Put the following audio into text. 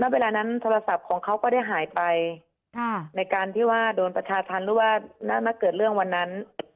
เวลานั้นโทรศัพท์ของเขาก็ได้หายไปในการที่ว่าโดนประชาธรรมหรือว่าเกิดเรื่องวันนั้น